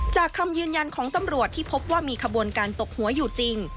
คำยืนยันของตำรวจที่พบว่ามีขบวนการตกหัวอยู่จริง